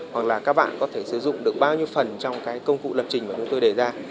hoặc là các bạn có thể sử dụng được bao nhiêu phần trong cái công cụ lập trình mà chúng tôi đề ra